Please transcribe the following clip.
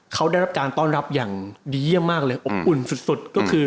เขาได้รับการต้อนรับอย่างดีเยี่ยมมากเลยอบอุ่นสุดก็คือ